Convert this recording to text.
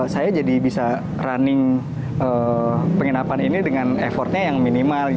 saya jadi bisa running penginapan ini dengan effortnya yang minimal